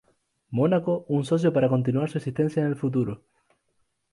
Mónaco un socio para continuar su existencia en el futuro.